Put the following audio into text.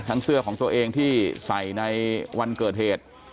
เสื้อของตัวเองที่ใส่ในวันเกิดเหตุ